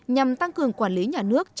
nhằm tăng cường quản lý nhà nước